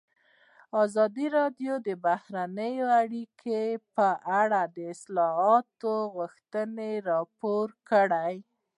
ازادي راډیو د بهرنۍ اړیکې په اړه د اصلاحاتو غوښتنې راپور کړې.